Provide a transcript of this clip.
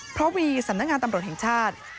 เพราะมีสำนักงานตำรวจแห่งชาติ